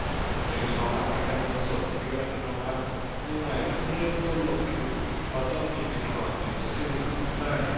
หรือถอนหลักประกันเงินสด โดยอัตโนมัติ มือใหม่เพิ่งเริ่มต้นลงทุน เพราะต้องมีเงินก่อนถึงจะซื้อหุ้นได้